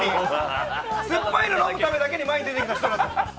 酸っぱいの飲むためだけに前に出てきた人ですよ。